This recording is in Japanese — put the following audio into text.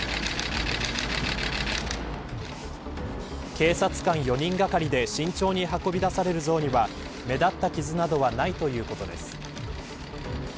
警察官４人がかりで慎重に運び出される像には目立った傷などはないということです。